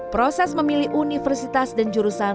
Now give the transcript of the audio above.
proses memilih universitas dan jurusan